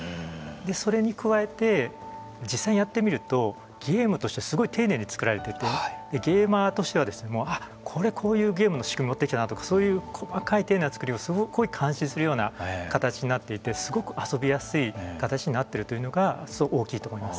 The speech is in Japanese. それに加えて実際にやってみるとゲームとしてはすごい丁寧に作られててゲーマーとしてはこれ、こういうゲームの仕組みを持ってきたなとかそういう細かい丁寧なつくりをすごい感心するような形になっていてすごく遊びやすい形になっているというのが大きいと思います。